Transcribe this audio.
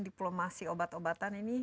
diplomasi obat obatan ini